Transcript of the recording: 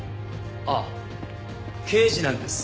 あっ刑事なんです